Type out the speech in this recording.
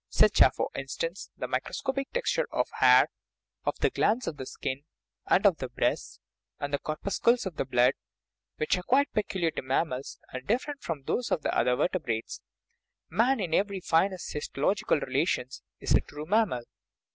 Such are, for instance, the microscopic texture of the hair, of the glands of the skin, and of the breasts, and the corpus cles of the blood, which are quite peculiar to mam mals, and different from those of the other verte brates; man, even in these finest histological rela tions, is a true mammal.